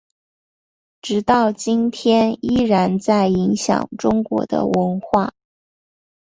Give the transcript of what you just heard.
直到今天依然在影响中国的文化。